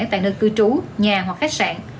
tại nơi cư trú nhà hoặc khách sạn